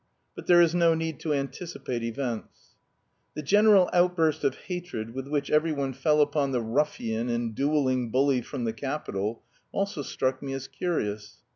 But there is no need to anticipate events. The general outburst of hatred with which every one fell upon the "ruffian and duelling bully from the capital" also struck me as curious.